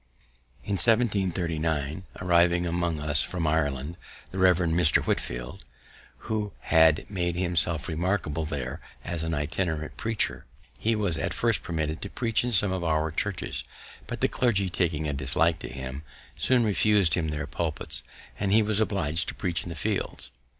[Illustration: "the flames have often been extinguished"] In 1739 arrived among us from Ireland the Reverend Mr. Whitefield, who had made himself remarkable there as an itinerant preacher. He was at first permitted to preach in some of our churches; but the clergy, taking a dislike to him, soon refus'd him their pulpits, and he was oblig'd to preach in the fields.